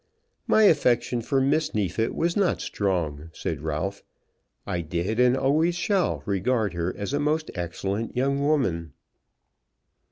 "My affection for Miss Neefit was not strong," said Ralph. "I did, and always shall, regard her as a most excellent young woman."